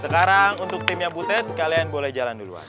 sekarang untuk timnya butet kalian boleh jalan duluan